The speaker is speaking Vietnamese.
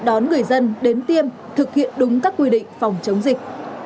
để người dân an toàn nhất